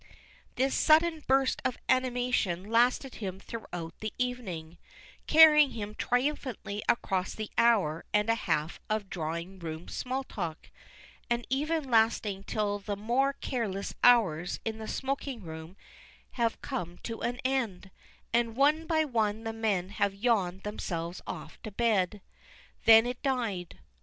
This sudden burst of animation lasted him throughout the evening, carrying him triumphantly across the hour and a half of drawing room small talk, and even lasting till the more careless hours in the smoking room have come to an end, and one by one the men have yawned themselves off to bed. Then it died.